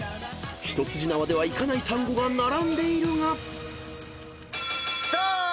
［一筋縄ではいかない単語が並んでいるが］